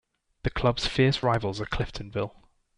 The club's fierce rivals are Cliftonville.